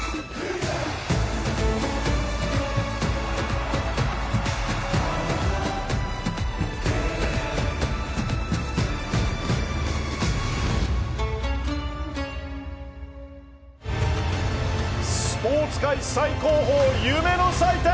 スポーツ界最高峰夢の祭典ＦＩＦＡ